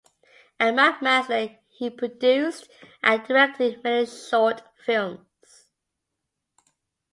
At McMaster he produced and directed many short films.